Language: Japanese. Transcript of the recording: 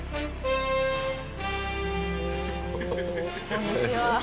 こんにちは。